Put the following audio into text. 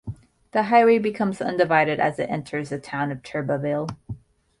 The highway becomes undivided as it enters the town of Turbeville.